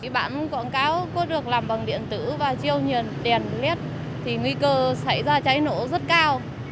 bản quảng cáo có được làm bằng điện tử và chiêu đèn led thì nguy cơ xảy ra cháy nổ rất cao